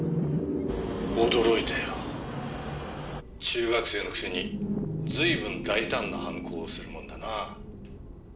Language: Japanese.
「驚いたよ。中学生のくせにずいぶん大胆な犯行をするもんだな」